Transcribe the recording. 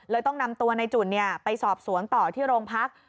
ต้องนำตัวในจุ่นไปสอบสวนต่อที่โรงพัก